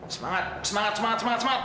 semangat semangat semangat semangat